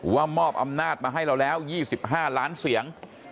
มอบอำนาจมาให้เราแล้ว๒๕ล้านเสียง